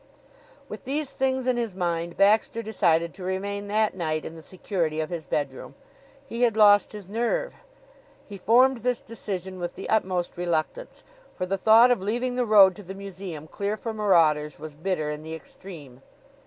With these things in his mind Baxter decided to remain that night in the security of his bedroom. He had lost his nerve. He formed this decision with the utmost reluctance, for the thought of leaving the road to the museum clear for marauders was bitter in the extreme.